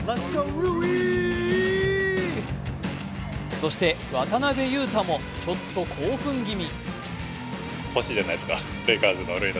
そして渡邊雄太もちょっと興奮気味。